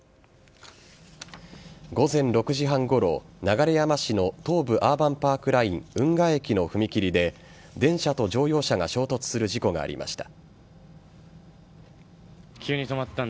午前６時半ごろ、流山市の東武アーバンパークライン運河駅の踏切で電車と乗用車が衝突する事故がありました。